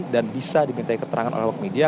dan bisa diminta keterangan oleh media